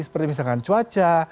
seperti misalkan cuaca